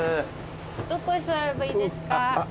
どこへ座ればいいですか？